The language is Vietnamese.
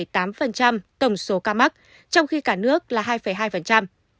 tổng số ca mắc trong khi cả nước là hai hai